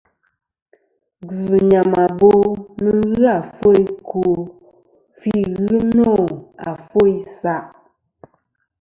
Gvɨ̂ nyàmàbo nɨn ghɨ àfo ɨkwo fî ghɨ nô àfo isaʼ.